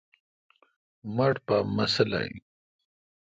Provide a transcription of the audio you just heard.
مٹھ پا ماسلہ این۔